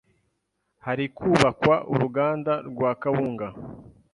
Hari kubakwa uruganda rwa kawunga